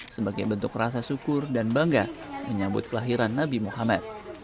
sebagai bentuk rasa syukur dan bangga menyambut kelahiran nabi muhammad